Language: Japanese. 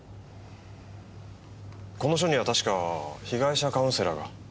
この署には確か被害者カウンセラーが。